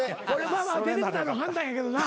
ディレクターの判断やけどな。